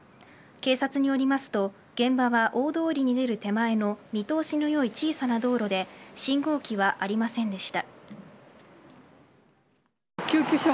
警察によりますと現場は大通りに出る手前の見通しのよい小さな道路で信号機はありませんでした。